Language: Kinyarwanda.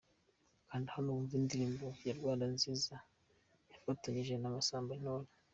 Kanda hano wumve indirimbo ye Rwanda nziza yafatanyije na Masamba Intore.